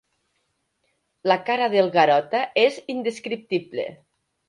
La cara del Garota és indescriptible.